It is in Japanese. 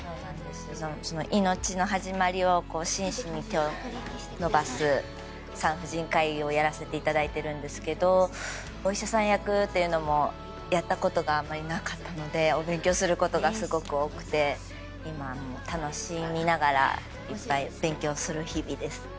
命の始まりに真摯に手を伸ばす産婦人科医をやらせていただいているんですがお医者さん役というのもやったことがあまりなかったのでお勉強することがすごく多くて今、楽しみながらいっぱい勉強する日々です。